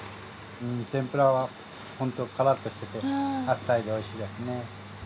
天ぷらはホントカラッとしててあっさりでおいしいですね。